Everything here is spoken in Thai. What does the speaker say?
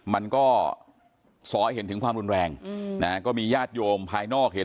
มันก็สอให้เห็นถึงความรุนแรงก็มีญาติโยมภายนอกเห็น